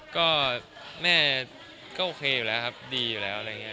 ก็แม่ก็โอเคอยู่แล้วครับดีอยู่แล้วอะไรอย่างนี้